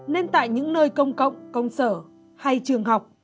nên tại những nơi công cộng công sở hay trường học